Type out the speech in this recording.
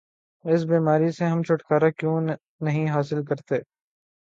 اس بیماری سے ہم چھٹکارا کیوں نہیں حاصل کرتے؟